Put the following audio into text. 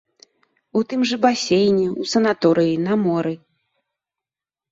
У тым жа басейне, у санаторыі, на моры.